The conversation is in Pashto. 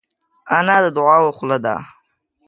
انا د دعاوو خوله ده